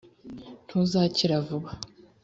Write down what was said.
ntuzakira vuba,